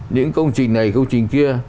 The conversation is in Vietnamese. những công trình này công trình kia